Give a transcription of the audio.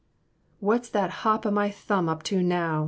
What 's that hop o' my thumb up to now